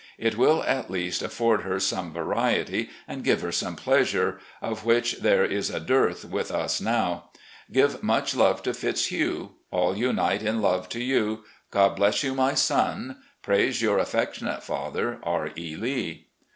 It will, at least, afford her some variety, and give her some pleasure, of which there is a dearth with us now. Give much love to Fitzhugh. All unite in love to you. God bless you, my son, prays "Your affectionate father, "R. E. Lbk."